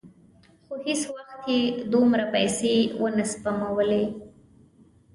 خو هېڅ وخت یې دومره پیسې ونه سپمولې.